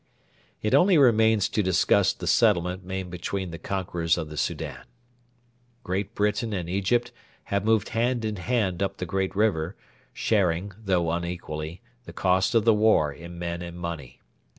It only remains to discuss the settlement made between the conquerors of the Soudan. Great Britain and Egypt had moved hand in hand up the great river, sharing, though unequally, the cost of the war in men and money.